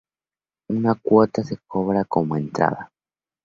Una cuota se cobra como entrada.